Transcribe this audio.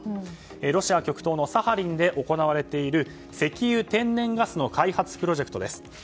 ロシア極東のサハリンで行われている石油・天然ガスの開発プロジェクトです。